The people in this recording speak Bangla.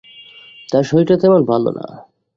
তার শরীরটা তেমন ভালো না।